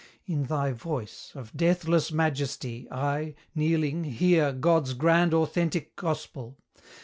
In thy voice Of deathless majesty, I, kneeling, hear God's grand authentic Gospel!